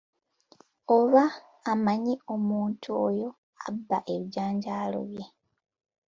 Oba amanyi omuntu oyo abba ebijanjaalo bye.